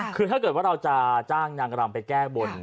คือถ้าเกิดว่าเราจะจ้างนางรำไปแก้บน